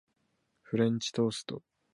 フレンチトースト